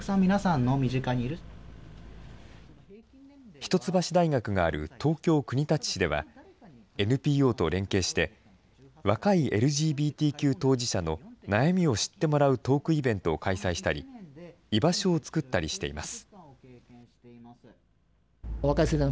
一橋大学がある東京・国立市では、ＮＰＯと連携して、若いＬＧＢＴＱ当事者の悩みを知ってもらうトークイベントを開催したり、居場所を作ったりしています。